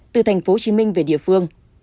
từ thành phố hồ chí minh về địa phương